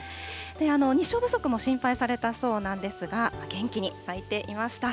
日照不足も心配されたそうなんですが、元気に咲いていました。